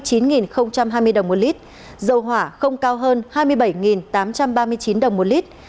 dầu diesel năm s không cao hơn hai mươi chín hai mươi đồng một lít dầu hỏa không cao hơn hai mươi bảy tám trăm ba mươi chín đồng một lít